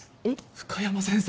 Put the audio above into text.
深山先生！